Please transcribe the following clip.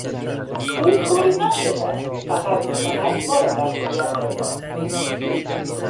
او طوری نشده است، فقط میخواهد ما را دست بیاندازد.